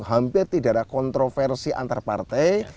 hampir tidak ada kontroversi antar partai